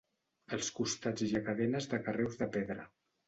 Als costats hi ha cadenes de carreus de pedra.